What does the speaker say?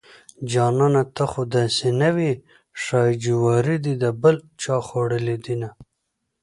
جانانه ته خوداسې نه وې ښايي جواري دې دبل چاخوړلي دينه